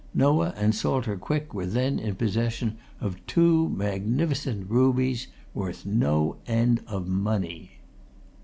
Noah and Salter Quick were then in possession of two magnificent rubies worth no end of money!"